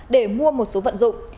để mua một số vận dụng